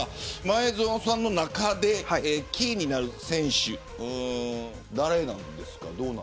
前園さんの中でキーになる選手は誰ですか。